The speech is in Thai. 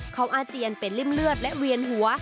เขาอาเจียนเป็นริ่มเลือดและเวียนหัว